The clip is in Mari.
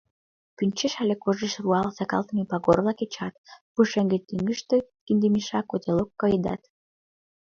Пӱнчеш але кожеш руал сакалтыме пагор-влак кечат, пушеҥге тӱҥыштӧ кинде мешак, котелок коедат.